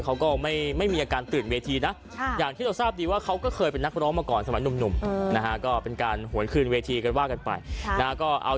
เขาก็ไม่มีอาการตื่นเวทีนะ